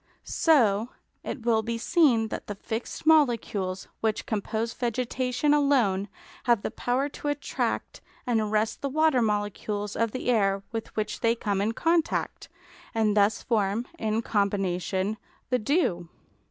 So it will be seen that the fixed molecules which compose vegetation alone have the power to attract and arrest the water molecules of the air with which they come in contact, and thus form, in combination, the dew.